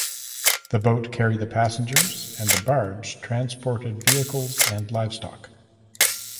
The boat carried the passengers and the barge transported vehicles and livestock.